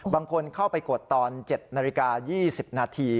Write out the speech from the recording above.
บางคนเข้าไปกดตอน๗นาฬิกา๒๐นาที